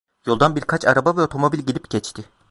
Yoldan birkaç araba ve otomobil gelip geçti.